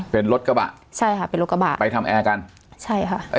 เป็นรถกระบะใช่ค่ะเป็นรถกระบะไปทำแอร์กันใช่ค่ะ